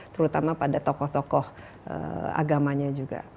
terutama pada tokoh tokoh agamanya juga